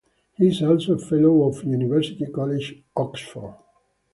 He is also a Fellow of University College, Oxford.